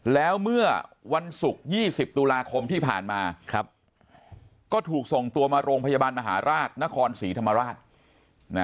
แล้วเมื่อวันศุกร์๒๐ตุลาคมที่ผ่านมาก็ถูกส่งตัวมาโรงพยาบาลมหาราชนครศรีธรรมราช